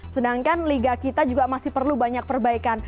sedangkan liga kita juga masih perlu banyak perbaikan